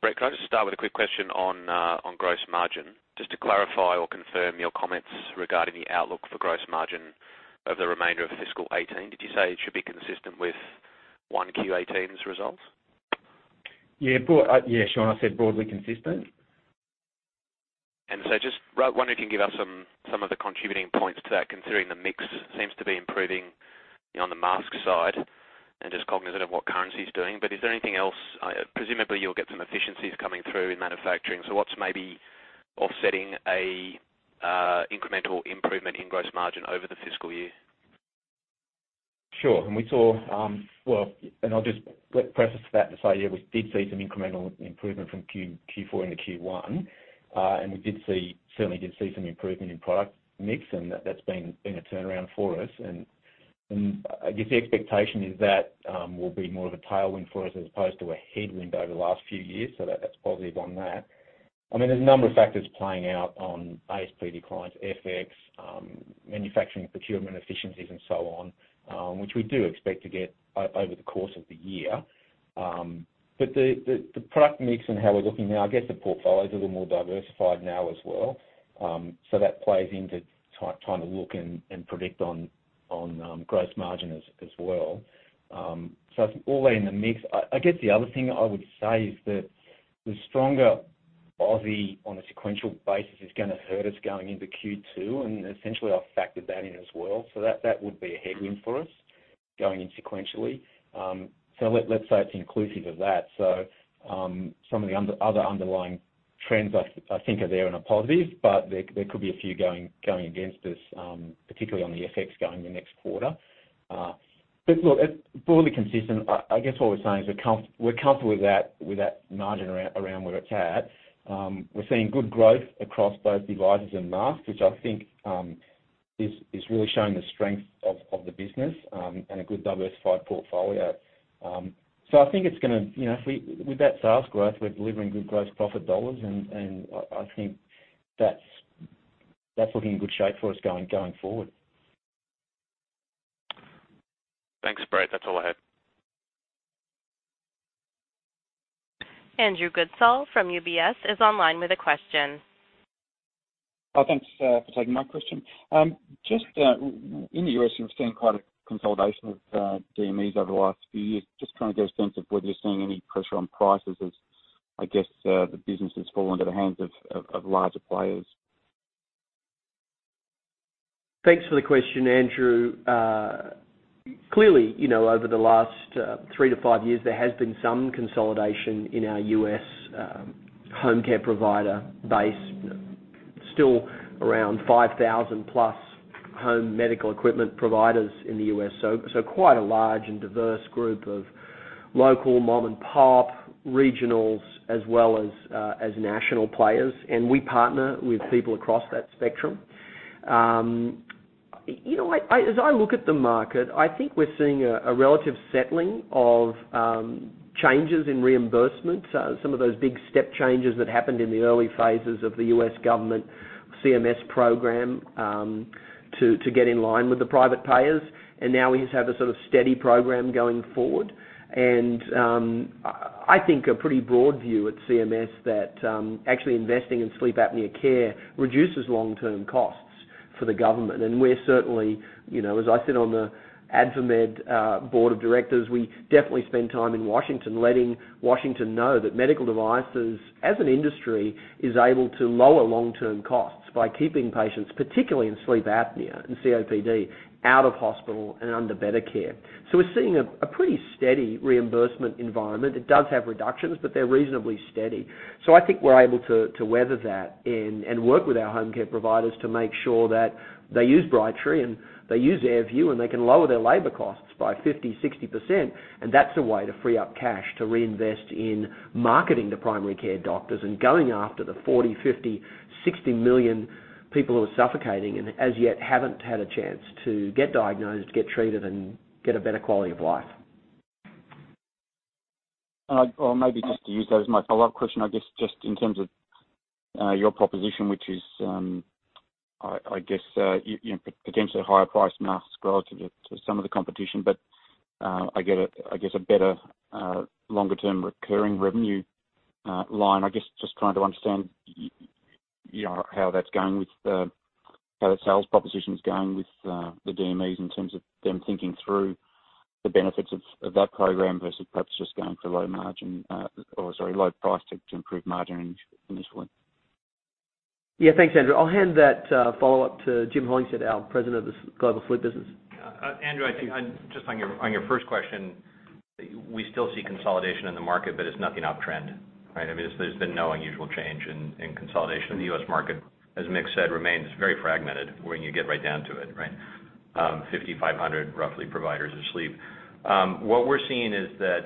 Brett, can I just start with a quick question on gross margin, just to clarify or confirm your comments regarding the outlook for gross margin over the remainder of FY 2018. Did you say it should be consistent with Q1 2018's results? Yeah, Saul, I said broadly consistent. Just wondering if you can give us some of the contributing points to that, considering the mix seems to be improving on the mask side and just cognizant of what currency is doing. Is there anything else? Presumably, you will get some efficiencies coming through in manufacturing. What is maybe offsetting an incremental improvement in gross margin over the fiscal year? Sure. I will just preface that to say, yeah, we did see some incremental improvement from Q4 into Q1. We certainly did see some improvement in product mix, and that has been a turnaround for us, and I guess the expectation is that will be more of a tailwind for us as opposed to a headwind over the last few years. That is positive on that. There is a number of factors playing out on ASP declines, FX, manufacturing procurement efficiencies and so on, which we do expect to get over the course of the year. The product mix and how we are looking now, I guess the portfolio is a little more diversified now as well. That plays into trying to look and predict on gross margin as well. I think all that in the mix. I guess the other thing I would say is that the stronger Aussie on a sequential basis is going to hurt us going into Q2, and essentially, I've factored that in as well. That would be a headwind for us going in sequentially. Let's say it's inclusive of that. Some of the other underlying trends I think are there and are positive, but there could be a few going against us, particularly on the FX going in next quarter. Look, it's broadly consistent. I guess what we're saying is we're comfortable with that margin around where it's at. We're seeing good growth across both devices and masks, which I think, is really showing the strength of the business, and a good diversified portfolio. I think with that sales growth, we're delivering good gross profit dollars, and I think that's looking in good shape for us going forward. Thanks, Brett. That's all I had. Andrew Goodsall from UBS is online with a question. Thanks for taking my question. Just in the U.S., we've seen quite a consolidation of DMEs over the last few years. Just trying to get a sense of whether you're seeing any pressure on prices as the businesses fall into the hands of larger players. Thanks for the question, Andrew. Clearly, over the last three to five years, there has been some consolidation in our U.S. home care provider base. Still around 5,000-plus home medical equipment providers in the U.S., so quite a large and diverse group of local mom and pop, regionals, as well as national players. We partner with people across that spectrum. As I look at the market, I think we're seeing a relative settling of changes in reimbursement. Some of those big step changes that happened in the early phases of the U.S. government CMS program, to get in line with the private payers. Now we just have a sort of steady program going forward. I think a pretty broad view at CMS that actually investing in sleep apnea care reduces long-term costs for the government. We're certainly, as I sit on the AdvaMed board of directors, we definitely spend time in Washington letting Washington know that medical devices as an industry is able to lower long-term costs by keeping patients, particularly in sleep apnea and COPD, out of hospital and under better care. We're seeing a pretty steady reimbursement environment. It does have reductions, but they're reasonably steady. I think we're able to weather that and work with our home care providers to make sure that they use Brightree and they use AirView, and they can lower their labor costs by 50%, 60%. That's a way to free up cash to reinvest in marketing to primary care doctors and going after the 40, 50, 60 million people who are suffocating and as yet haven't had a chance to get diagnosed, get treated, and get a better quality of life. Maybe just to use that as my follow-up question, I guess, just in terms of your proposition, which is, potentially higher price masks relative to some of the competition. I get a better longer-term recurring revenue line. I guess, just trying to understand how that sales proposition's going with the DMEs in terms of them thinking through the benefits of that program versus perhaps just going for low margin, or, sorry, low price to improve margin initially. Yeah, thanks, Andrew. I'll hand that follow-up to Jim Hollingshead, our President of the global Sleep Business. Andrew, I think just on your first question, we still see consolidation in the market, but it's nothing uptrend, right? There's been no unusual change in consolidation in the U.S. market. As Mick said, remains very fragmented when you get right down to it, right? 5,500 roughly providers of sleep. What we're seeing is that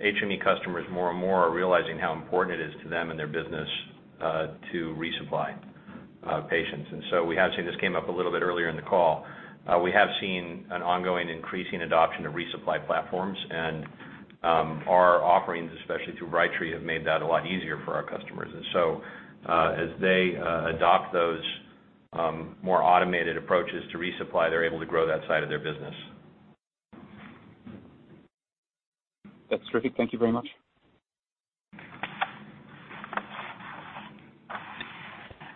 HME customers more and more are realizing how important it is to them and their business, to resupply patients. We have seen, this came up a little bit earlier in the call, we have seen an ongoing increasing adoption of resupply platforms. Our offerings, especially through Brightree, have made that a lot easier for our customers. As they adopt those more automated approaches to resupply, they're able to grow that side of their business. That's terrific. Thank you very much.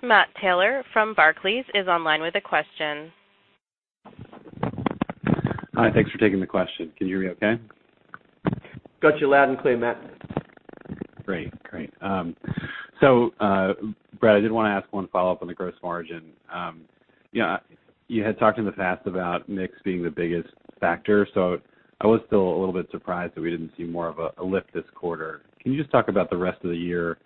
Matt Taylor from Barclays is online with a question Hi. Thanks for taking the question. Can you hear me okay? Got you loud and clear, Matt. Great. Brett, I did want to ask one follow-up on the gross margin. You had talked in the past about mix being the biggest factor, so I was still a little bit surprised that we didn't see more of a lift this quarter. Can you just talk about the rest of the year,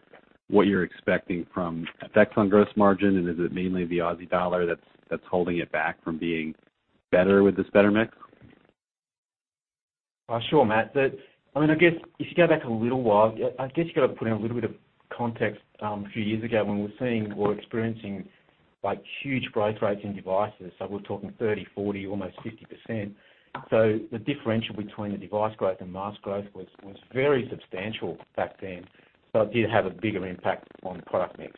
what you're expecting from effects on gross margin, and is it mainly the Aussie dollar that's holding it back from being better with this better mix? Sure, Matt. If you go back a little while, you've got to put in a little bit of context. A few years ago, when we were seeing or experiencing huge growth rates in devices, so we're talking 30, 40, almost 50%. The differential between the device growth and mask growth was very substantial back then. It did have a bigger impact on product mix.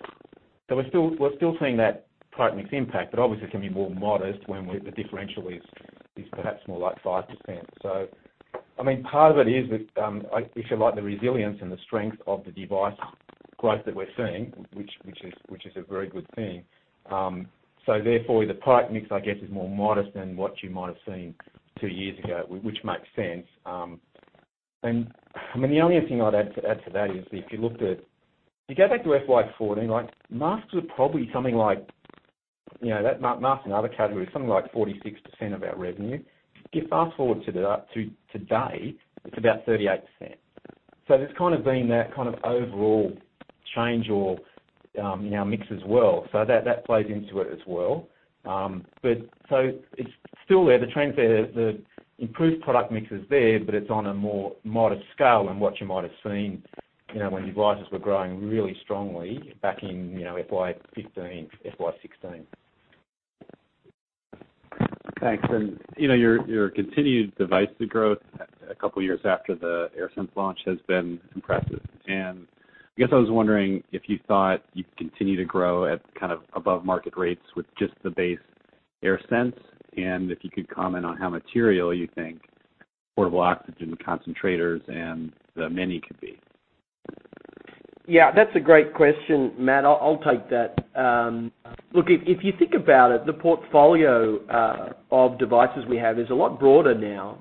We're still seeing that product mix impact, but obviously, it can be more modest when the differential is perhaps more like 5%. Part of it is with, if you like, the resilience and the strength of the device growth that we're seeing, which is a very good thing. Therefore, the product mix, I guess, is more modest than what you might have seen two years ago, which makes sense. The only other thing I'd add to that is if you go back to FY 2014, masks were probably something like, masks and other categories, something like 46% of our revenue. If you fast-forward to today, it's about 38%. It's kind of been that overall change in our mix as well. That plays into it as well. It's still there. The improved product mix is there, but it's on a more modest scale than what you might have seen, when devices were growing really strongly back in FY 2015, FY 2016. Thanks. Your continued device growth, a couple of years after the AirSense launch, has been impressive. I was wondering if you thought you'd continue to grow at above market rates with just the base AirSense, and if you could comment on how material you think portable oxygen concentrators and the Mini could be. That's a great question, Matt. I'll take that. If you think about it, the portfolio of devices we have is a lot broader now.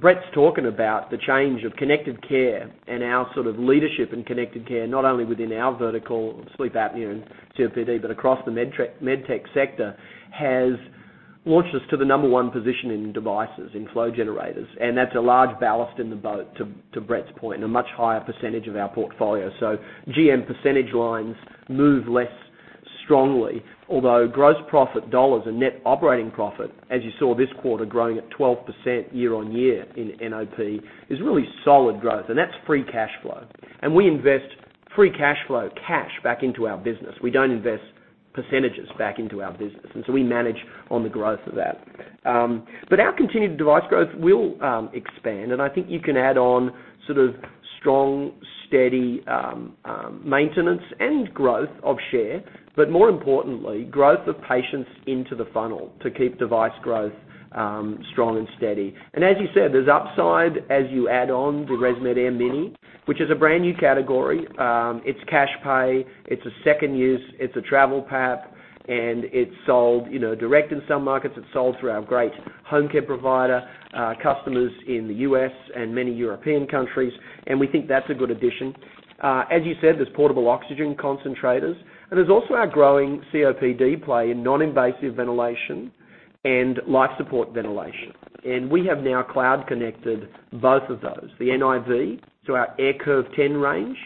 Brett's talking about the change of connected care and our leadership in connected care, not only within our vertical, sleep apnea and COPD, but across the med tech sector, has launched us to the number one position in devices, in flow generators, and that's a large ballast in the boat, to Brett's point, and a much higher percentage of our portfolio. GM percentage lines move less strongly, although gross profit dollars and net operating profit, as you saw this quarter, growing at 12% year-on-year in NOP, is really solid growth, and that's free cash flow. We invest free cash flow cash back into our business. We don't invest percentages back into our business, and so we manage on the growth of that. Our continued device growth will expand, and I think you can add on strong, steady maintenance and growth of share, but more importantly, growth of patients into the funnel to keep device growth strong and steady. As you said, there's upside as you add on the ResMed AirMini, which is a brand-new category. It's cash pay, it's a second use, it's a travel PAP, and it's sold direct in some markets. It's sold through our great home care provider, customers in the U.S. and many European countries, and we think that's a good addition. As you said, there's portable oxygen concentrators, and there's also our growing COPD play in non-invasive ventilation and life support ventilation. We have now cloud connected both of those, the NIV, so our AirCurve 10 range,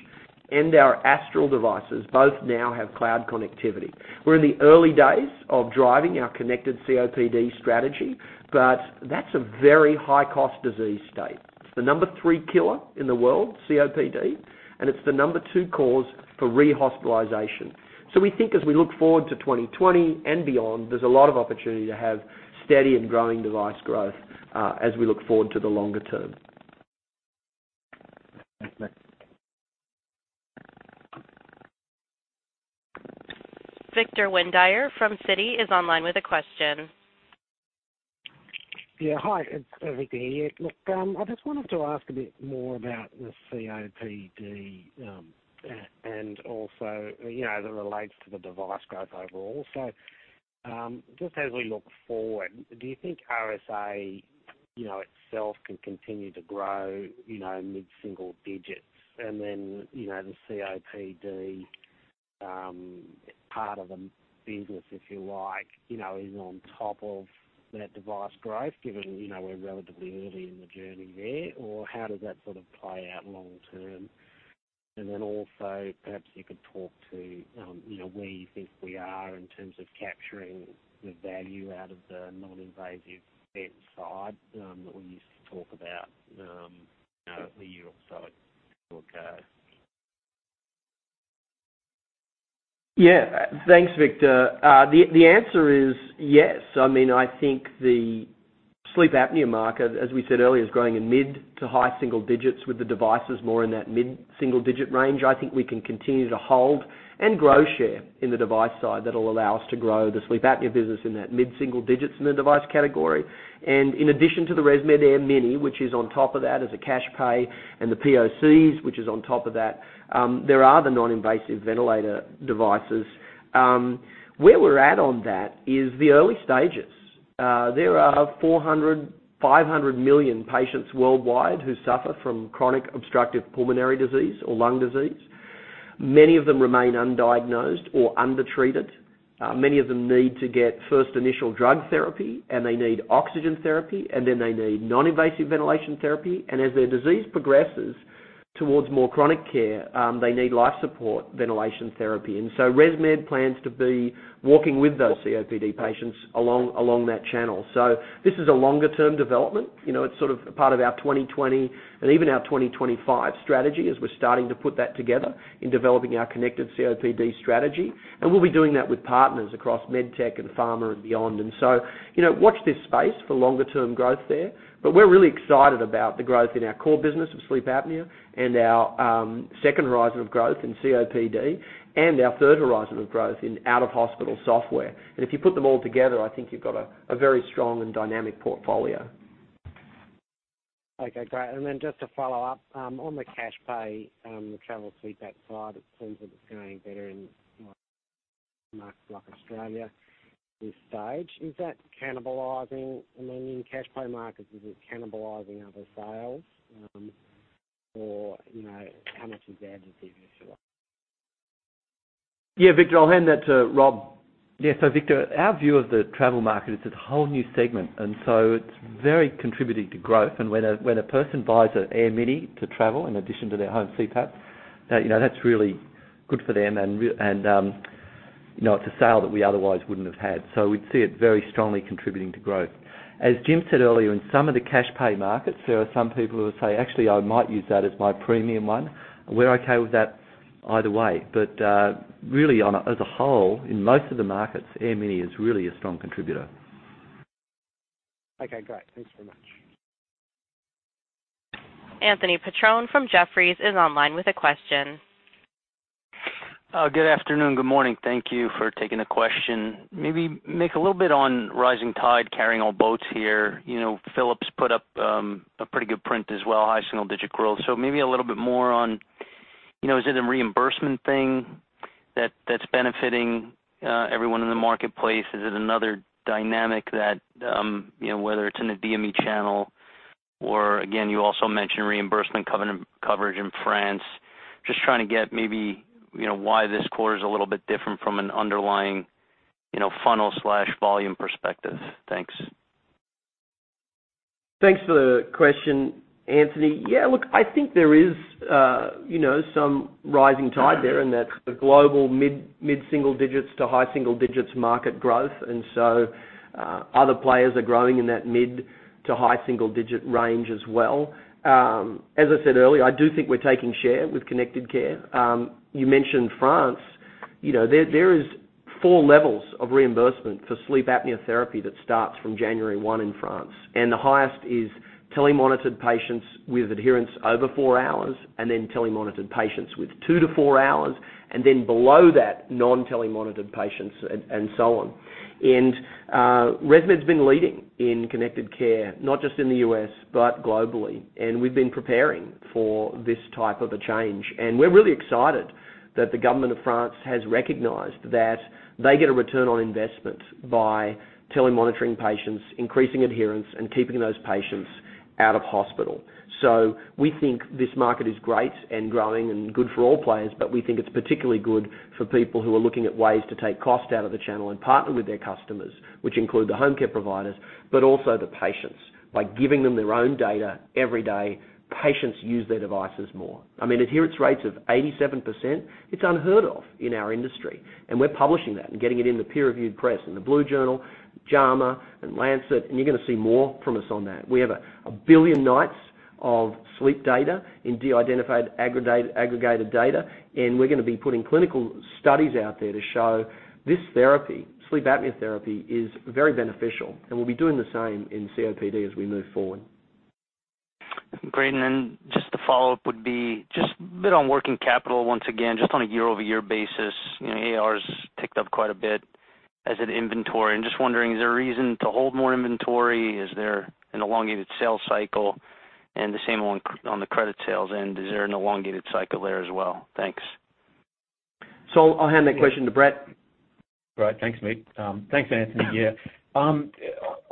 and our Astral devices. Both now have cloud connectivity. We're in the early days of driving our connected COPD strategy, but that's a very high-cost disease state. It's the number three killer in the world, COPD, and it's the number two cause for rehospitalization. We think as we look forward to 2020 and beyond, there's a lot of opportunity to have steady and growing device growth as we look forward to the longer term. Thanks, Matt. Victor Windeyer from Citi is online with a question. Hi, it's Victor here. I just wanted to ask a bit more about the COPD, as it relates to the device growth overall. Just as we look forward, do you think OSA itself can continue to grow mid-single digits? The COPD part of the business, if you like, is on top of that device growth, given we're relatively early in the journey there, or how does that play out long term? Also, perhaps you could talk to where you think we are in terms of capturing the value out of the non-invasive vent side that we used to talk about a year or so ago. Thanks, Victor. The answer is yes. I think the sleep apnea market, as we said earlier, is growing in mid to high single digits with the devices more in that mid-single-digit range. I think we can continue to hold and grow share in the device side that'll allow us to grow the sleep apnea business in that mid-single digits in the device category. In addition to the ResMed AirMini, which is on top of that as a cash pay, and the POCs, which is on top of that, there are the non-invasive ventilator devices. Where we're at on that is the early stages. There are 400, 500 million patients worldwide who suffer from chronic obstructive pulmonary disease or lung disease. Many of them remain undiagnosed or undertreated. Many of them need to get first initial drug therapy, and they need oxygen therapy, and then they need non-invasive ventilation therapy, and as their disease progresses towards more chronic care, they need life support ventilation therapy. ResMed plans to be walking with those COPD patients along that channel. This is a longer-term development. It's part of our 2020 and even our 2025 strategy as we're starting to put that together in developing our connected COPD strategy. We'll be doing that with partners across med tech and pharma and beyond. Watch this space for longer-term growth there. We're really excited about the growth in our core business of sleep apnea and our second horizon of growth in COPD and our third horizon of growth in out-of-hospital software. If you put them all together, I think you've got a very strong and dynamic portfolio. Okay, great. Just to follow up, on the cash pay travel CPAP side, it seems that it's going better in markets like Australia this stage. In cash pay markets, is it cannibalizing other sales? How much is additive if you like? Victor, I'll hand that to Rob. Victor, our view of the travel market, it's this whole new segment, and so it's very contributing to growth. When a person buys an AirMini to travel in addition to their home CPAP, that's really good for them, and it's a sale that we otherwise wouldn't have had. We'd see it very strongly contributing to growth. As Jim said earlier, in some of the cash pay markets, there are some people who will say, "Actually, I might use that as my premium one." We're okay with that either way. Really, as a whole, in most of the markets, AirMini is really a strong contributor. Great. Thanks very much. Anthony Petrone from Jefferies is online with a question. Good afternoon, good morning. Thank you for taking the question. Maybe Mick, a little bit on rising tide carrying all boats here. Philips put up a pretty good print as well, high single-digit growth. Maybe a little bit more on, is it a reimbursement thing that's benefiting everyone in the marketplace? Is it another dynamic that, whether it's in the DME channel or, again, you also mentioned reimbursement coverage in France. Just trying to get maybe why this quarter's a little bit different from an underlying funnel/volume perspective. Thanks. Thanks for the question, Anthony. Look, I think there is some rising tide there in that global mid-single digits to high single-digits market growth. Other players are growing in that mid to high single-digit range as well. As I said earlier, I do think we're taking share with connected care. You mentioned France. There is 4 levels of reimbursement for sleep apnea therapy that starts from January 1 in France, and the highest is telemonitored patients with adherence over four hours, and then telemonitored patients with two to four hours, and then below that, non-telemonitored patients, and so on. ResMed's been leading in connected care, not just in the U.S., but globally, and we've been preparing for this type of a change. We're really excited that the government of France has recognized that they get a return on investment by telemonitoring patients, increasing adherence, and keeping those patients out of hospital. We think this market is great and growing and good for all players, but we think it's particularly good for people who are looking at ways to take cost out of the channel and partner with their customers, which include the home care providers, but also the patients. By giving them their own data every day, patients use their devices more. Adherence rates of 87%, it's unheard of in our industry. We're publishing that and getting it in the peer-reviewed press in "The Blue Journal," "JAMA," and "The Lancet," and you're going to see more from us on that. We have 1 billion nights of sleep data in de-identified, aggregated data, we're going to be putting clinical studies out there to show this therapy, sleep apnea therapy, is very beneficial, we'll be doing the same in COPD as we move forward. Great. Just a follow-up would be just a bit on working capital once again, just on a year-over-year basis. AR's ticked up quite a bit as had inventory. Just wondering, is there a reason to hold more inventory? Is there an elongated sales cycle? The same on the credit sales end. Is there an elongated cycle there as well? Thanks. I'll hand that question to Brett. Great. Thanks, Mick. Thanks, Anthony. Yeah. On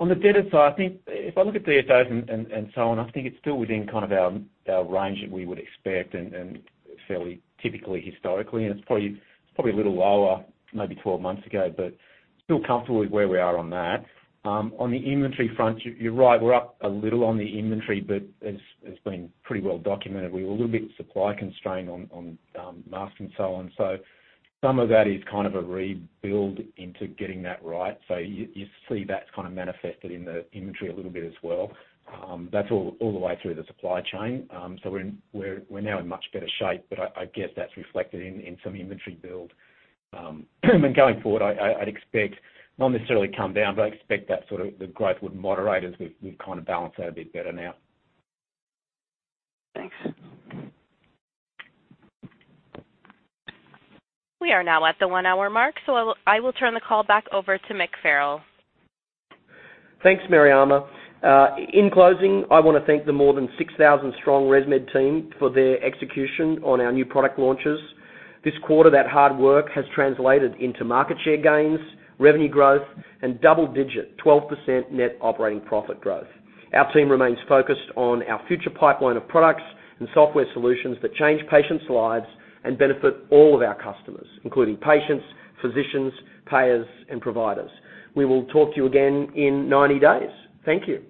the debtor side, if I look at DSOs and so on, I think it's still within our range that we would expect and fairly typically, historically, and it's probably a little lower maybe 12 months ago, but still comfortable with where we are on that. On the inventory front, you're right, we're up a little on the inventory, but as been pretty well documented, we were a little bit supply-constrained on masks and so on. Some of that is kind of a rebuild into getting that right. You see that's kind of manifested in the inventory a little bit as well. That's all the way through the supply chain. We're now in much better shape, but I guess that's reflected in some inventory build. Going forward, I'd expect, not necessarily come down, but I expect that sort of the growth would moderate as we kind of balance that a bit better now. Thanks. We are now at the one-hour mark, so I will turn the call back over to Mick Farrell. Thanks, Mariama. In closing, I want to thank the more than 6,000-strong ResMed team for their execution on our new product launches. This quarter, that hard work has translated into market share gains, revenue growth, and double-digit 12% net operating profit growth. Our team remains focused on our future pipeline of products and software solutions that change patients' lives and benefit all of our customers, including patients, physicians, payers, and providers. We will talk to you again in 90 days. Thank you.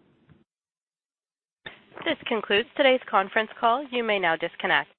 This concludes today's conference call. You may now disconnect.